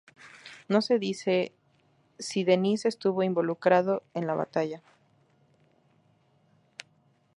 No se dice si Dennis estuvo involucrado en la batalla.